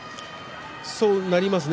そうなりますね。